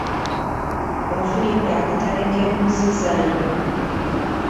Onfunidde akatale k'embuzi zaange?